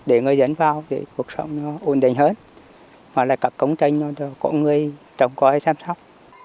để người dân vào để cuộc sống nó ổn định hơn và lại các công trình nó có người trọng coi sám sắc